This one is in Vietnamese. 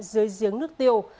dưới giếng nước tiêu